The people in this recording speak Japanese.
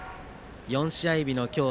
４試合日の今日